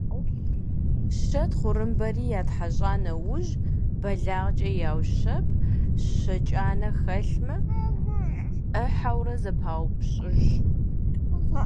Щэ тхъурымбэри ятхьэщӀа нэужь бэлагъкӀэ яущэб, щэ кӀанэ хэлъмэ, Ӏыхьэурэ зэпаупщӀыж.